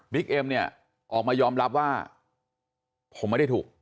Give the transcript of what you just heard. เอ็มเนี่ยออกมายอมรับว่าผมไม่ได้ถูก